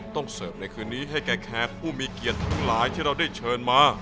เสิร์ฟในคืนนี้ให้แก่แขกผู้มีเกียรติทั้งหลายที่เราได้เชิญมา